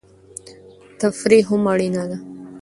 تفریح هم اړینه ده.